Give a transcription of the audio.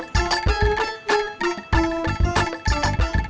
aku adalah platform di luar negeri tersebut